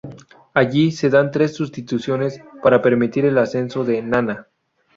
Allí, se dan tres "sustituciones" para permitir el ascenso de Nanna.